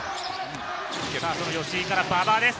その吉井から馬場です。